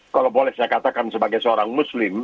kalau boleh saya katakan sebagai seorang muslim